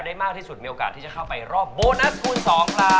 มากที่สุดมีโอกาสที่จะเข้าไปรอบโบนัสคูณ๒ครับ